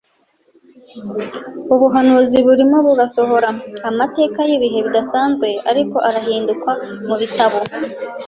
Ubuhanuzi burimo burasohora. Amateka y’ibihe bidasanzwe ariho arandikwa mu bitabo